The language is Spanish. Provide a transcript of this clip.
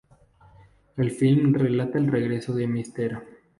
El filme relata el regreso de Mr.